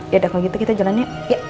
yaudah kalau gitu kita jalan ya